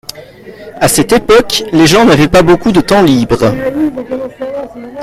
à cette époque, les gens n'avaient pas beacoup de temps libre.